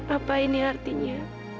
apa ini artinya